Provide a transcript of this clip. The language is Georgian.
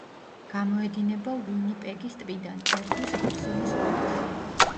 გამოედინება უინიპეგის ტბიდან, ერთვის ჰუდსონის ყურეს.